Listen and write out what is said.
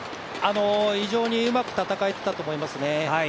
非常にうまく戦えてたと思いますね。